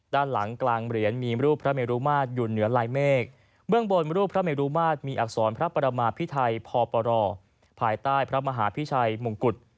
ด้านหลังกลางเหรียญมีรูปพระเมรุมาตรอยู่เหนือลายเมฆเบื้องบนรูปพระเมรุมาตรมีอักษรพระประมาพิไทยพปรภายใต้พระมหาพิชัยมงกุฎ